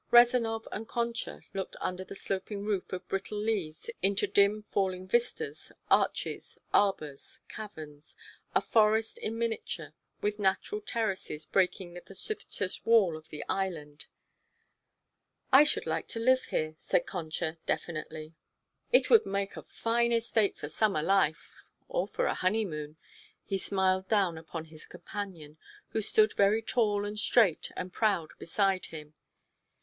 Rezanov and Concha looked under the sloping roof of brittle leaves into dim falling vistas, arches, arbors, caverns, a forest in miniature with natural terraces breaking the precipitous wall of the island. "I should like to live here," said Concha definitely. "It would make a fine estate for summer life or for a honeymoon." He smiled down upon his companion, who stood very tall and straight and proud beside him.